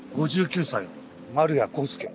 ５９歳の丸谷康介。